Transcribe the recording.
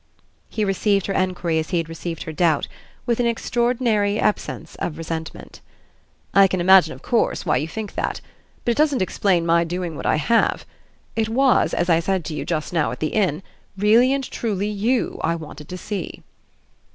He received her enquiry as he had received her doubt with an extraordinary absence of resentment. "I can imagine of course why you think that. But it doesn't explain my doing what I have. It was, as I said to you just now at the inn, really and truly you I wanted to see."